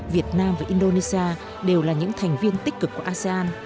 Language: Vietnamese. việt nam và indonesia đều là những thành viên tích cực của asean